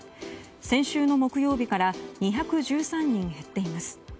先週の木曜日から２１３人減っています。